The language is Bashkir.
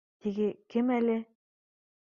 Теге кем әле